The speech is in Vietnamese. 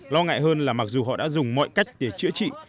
lo ngại hơn là mặc dù họ đã dùng mọi cách để chữa trị